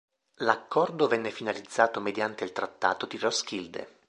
L'accordo venne finalizzato mediante il trattato di Roskilde.